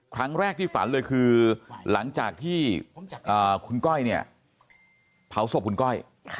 ครั้งแรกที่ฝันเลยคือหลังจากที่คุณก้อยเนี่ยเผาศพคุณก้อย